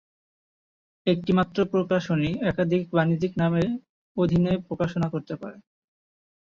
একটিমাত্র প্রকাশনী একাধিক বাণিজ্যিক নামের অধীনে প্রকাশনা করতে পারে।